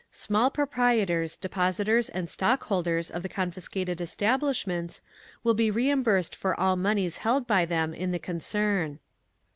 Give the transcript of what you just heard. Small proprietors, depositors and stock holders of the confiscated establishments will be reimbursed for all moneys held by them in the concern.